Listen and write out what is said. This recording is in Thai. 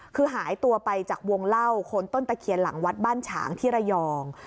คือหายตัวไปจากวงเล่าคนต้นตะเคียนหลังวัดบ้านฉางที่ระยอง